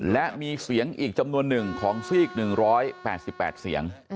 และมีเสียงอีกจำนวนหนึ่งของซีก๑๘๘เสียง